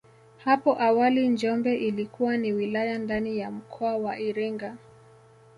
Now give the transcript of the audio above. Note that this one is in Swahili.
Hapo awali Njombe ilikuwa ni wilaya ndani ya mkoa wa Iringa